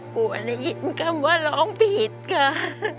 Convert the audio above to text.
กูก็เลยได้ยินคำว่าร้องผิดค่า